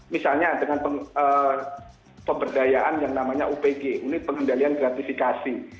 misalnya dengan pemberdayaan yang namanya upg unit pengendalian gratifikasi